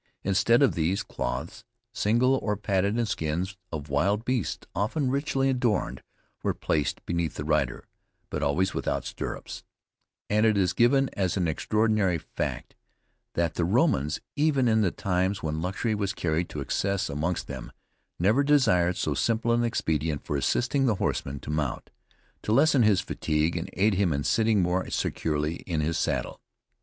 Instead of these, cloths, single or padded, and skins of wild beasts, often richly adorned, were placed beneath the rider, but always without stirrups; and it is given as an extraordinary fact, that the Romans even in the times when luxury was carried to excess amongst them, never desired so simple an expedient for assisting the horseman to mount, to lessen his fatigue and aid him in sitting more securely in his saddle.